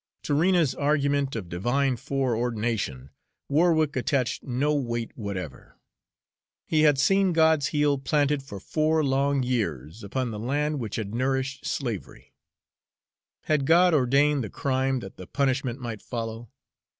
To Rena's argument of divine foreordination Warwick attached no weight whatever. He had seen God's heel planted for four long years upon the land which had nourished slavery. Had God ordained the crime that the punishment might follow?